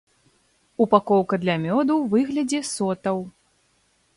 Упакоўка для мёду ў выглядзе сотаў.